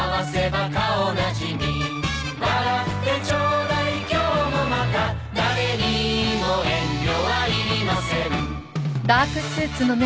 「笑ってちょうだい今日もまた誰にも遠慮はいりません」